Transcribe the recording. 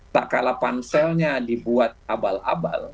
tak kalah panselnya dibuat abal abal